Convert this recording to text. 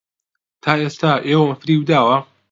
تا ئێستا ئێوەم فریوداوە؟